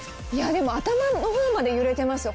でも頭のほうまで揺れてますよ。